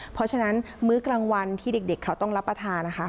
เพราะฉะนั้นมื้อกลางวันที่เด็กเขาต้องรับประทานนะคะ